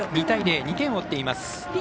２対０、２点を追っています。